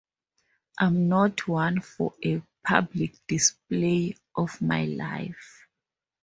I'm not one for a public display of my life.